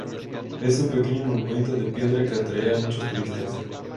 Es un pequeño monumento de piedra que atrae a muchos turistas.